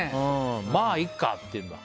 まあ、いっか！って言うんだ。